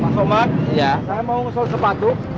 pak somad saya mau ngusul sepatu